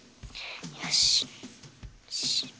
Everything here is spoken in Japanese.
よし。